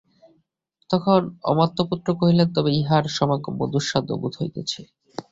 তখন অমাত্যপুত্র কহিলেন, তবে তাঁহার সমাগম দুঃসাধ্য বোধ হইতেছে।